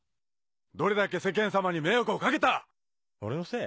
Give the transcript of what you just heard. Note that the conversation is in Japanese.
どれだけ世間さまに迷惑を掛けた⁉俺のせい？